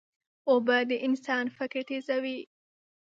اوبه د انسان فکر تیزوي.